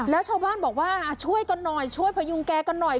แล้วชาวบ้านบอกว่าช่วยกันหน่อยช่วยพยุงแกกันหน่อย